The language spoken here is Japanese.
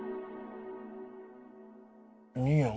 兄やん